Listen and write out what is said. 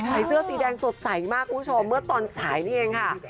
ใส่เสื้อสีแดงสดใสมากคุณผู้ชมเมื่อตอนสายนี่เองค่ะ